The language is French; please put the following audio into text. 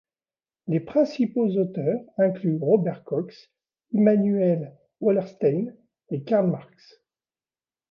Les principaux auteurs incluent Robert Cox, Immanuel Wallerstein et Karl Marx.